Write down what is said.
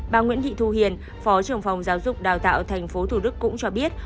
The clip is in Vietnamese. bà nguyễn thị thu hiền phó trưởng phòng giáo dục đào tạo tp thủ đức cũng cho biết